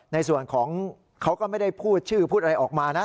ในส่วนของเขาก็ไม่ได้พูดชื่อพูดอะไรออกมานะ